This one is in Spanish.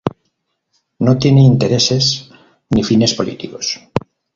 No tiene intereses, ni fines políticos.